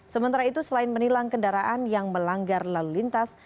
sementara itu selain menilang kendaraan yang melanggar lalu lintas